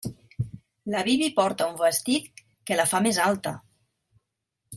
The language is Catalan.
La Bibi porta un vestit que la fa més alta.